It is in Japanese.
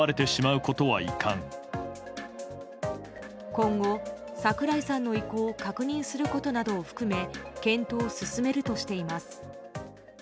今後、櫻井さんの意向を確認することなどを含め検討を進めるとしています。